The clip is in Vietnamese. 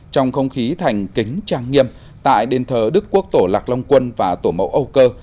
trong không khí thành kính trang nghiêm tại đền thờ đức quốc tổ lạc long quân và tổ mẫu âu cơ